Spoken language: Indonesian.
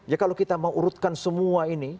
ya kalau kita mau urutkan semua ini